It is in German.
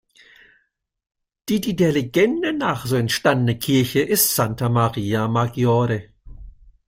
Die die der Legende nach so entstandene Kirche ist Santa Maria Maggiore.